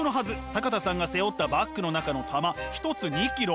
坂田さんが背負ったバッグの中の玉１つ２ｋｇ。